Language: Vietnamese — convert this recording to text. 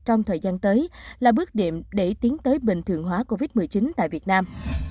trong thời gian tới là bước đệm để tiến tới bình thường hóa covid một mươi chín tại việt nam